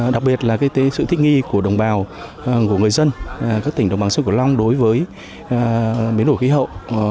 đặc biệt là sự thích nghi của đồng bào của người dân các tỉnh đồng bằng sông cửu long đối với biến đổi khí hậu